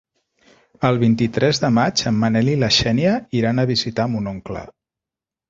El vint-i-tres de maig en Manel i na Xènia iran a visitar mon oncle.